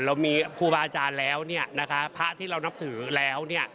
เรามีครูบาอาจารย์แล้วพระที่เรานับถือแล้ว